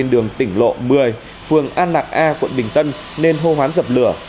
độ một mươi phường an lạc a quận bình tân nên hô hoán dập lửa